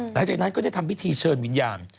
หลังจากนั้นก็ได้ทำพิธีเชิญวิญญาณ